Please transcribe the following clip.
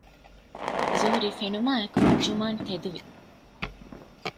ޒުހުރީ ފެނުމާއެކު ޖުމާން ތެދުވި